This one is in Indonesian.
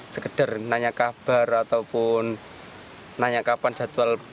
sekedar nanya kabar ataupun nanya kapan jadwal